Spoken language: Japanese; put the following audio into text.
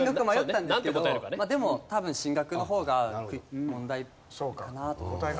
でも多分進学の方が問題かなと。